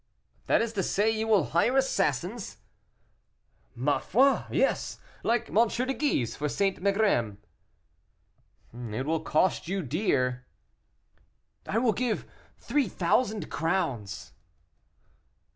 "That is to say, you will hire assassins?" "Ma foi! yes, like M. de Guise for St. Megrim." "It will cost you dear." "I will give three thousand crowns."